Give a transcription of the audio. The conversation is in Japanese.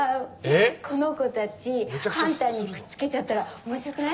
この子たちハンターにくっつけちゃったら面白くない？